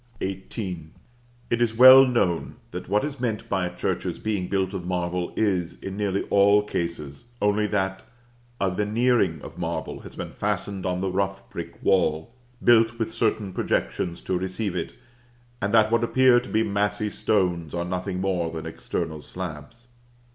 XVIII. It is well known, that what is meant by a church's being built of marble is, in nearly all cases, only that a veneering of marble has been fastened on the rough brick wall, built with certain projections to receive it; and that what appear to be massy stones, are nothing more than external slabs.